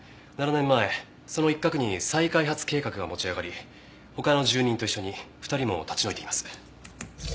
７年前その一角に再開発計画が持ち上がり他の住人と一緒に２人も立ち退いています。